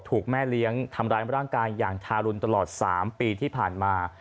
ถูกแม่เลี้ยงทำร้ายร่างกายอย่างทารุณตลอด๓ปีที่ผ่านมา